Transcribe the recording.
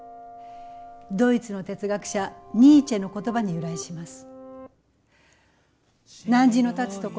ドイツの哲学者ニーチェの言葉に由来します。